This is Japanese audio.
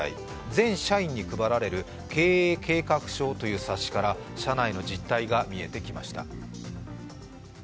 全社員に配られる経営計画書という冊子から、社内の実態が見えてきました。